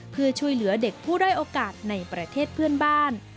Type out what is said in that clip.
เพื่อช่วยเหลือเด็กผู้ด้อยโอกาสในประเทศเพื่อนบ้าน